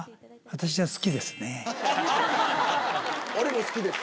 俺も好きです。